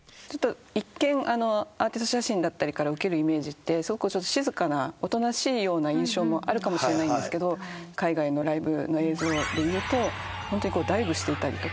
一見アーティスト写真だったりから受けるイメージってすごく静かなおとなしいような印象もあるかもしれないんですが海外のライブの映像でいうとホントにダイブしていたりとか。